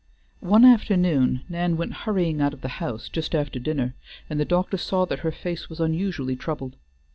One afternoon Nan went hurrying out of the house just after dinner, and the doctor saw that her face was unusually troubled.